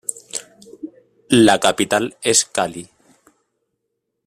La capital és Cali.